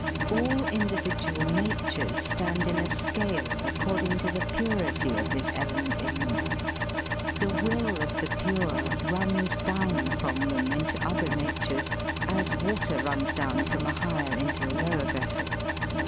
All individual na tures stand in a scale, according to the purity of this element in them. The will of the pure runs down from them into other natures, as water runs down from a higher into a lower vessel.